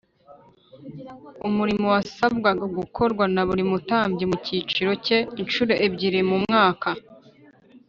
umurimo wasabwaga gukorwa na buri mutambyi mu cyiciro cye inshuro ebyiri mu mwaka